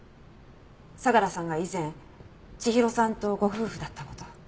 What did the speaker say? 相良さんが以前千尋さんとご夫婦だった事。